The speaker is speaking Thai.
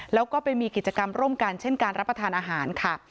แล้วก็ไปมีกิจกรรมร่วมกันเช่นการรับประทานอาหารค่ะ